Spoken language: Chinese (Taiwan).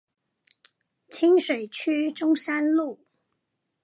清水區中山路